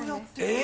え！